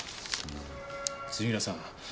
杉浦さん